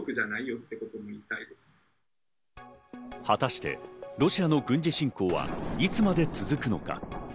果たしてロシアの軍事侵攻はいつまで続くのか？